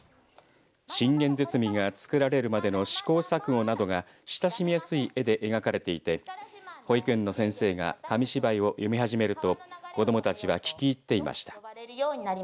信玄堤が作られるまでの試行錯誤などが親しみやすい絵で描かれていて保育園の先生が紙芝居を読み始めると子どもたちは聞き入っていました。